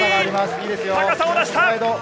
高さを出した。